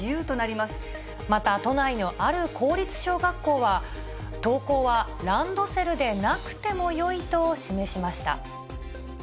また、都内のある公立小学校は、登校はランドセルでなくてもよいと示しました。